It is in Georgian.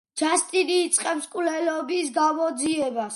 ჯასტინი იწყებს მკვლელობის გამოძიებას.